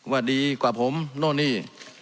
ว่าดีกว่าผมโน่นนี่